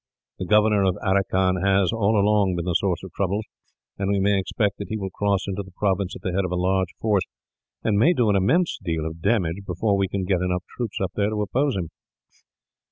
The Governor of Aracan has, all along, been the source of troubles; and we may expect that he will cross into the province at the head of a large force, and may do an immense deal of damage, before we can get enough troops there to oppose him."